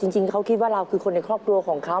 จริงเขาคิดว่าเราคือคนในครอบครัวของเขา